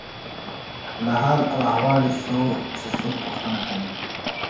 له حال او احوال یې څو چې څوک پوښتنه کوي.